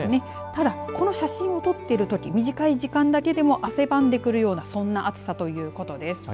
ただ、この写真を撮っているとき短い時間だけでも汗ばんでくるような暑さということです。